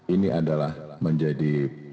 ini adalah menjadi